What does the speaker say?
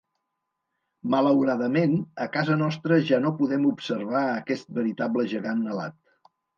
Malauradament, a casa nostra ja no podem observar aquest veritable gegant alat.